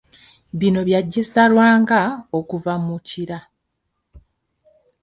Bino Bya Jesse Lwanga okuva mu Kira.